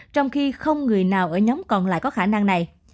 trong khi không người nào ở nhóm còn lại có khả năng này